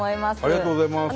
ありがとうございます。